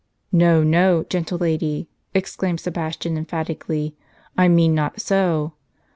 "No, no, gentle lady," exclaimed Sebastian, emphatically. " I mean not so.